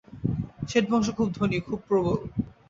শেঠবংশ খুব ধনী, খুব প্রবল।